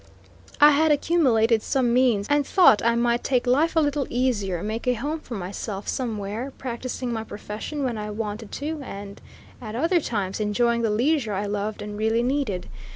I had accumulated some means, and thought I might take life a little easier make a home for myself somewhere, practicing my profession when I wanted to, and at other times enjoying the leisure I loved and really needed.